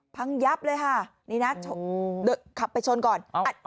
พังยับเลยค่ะนี่นะขับไปชนก่อน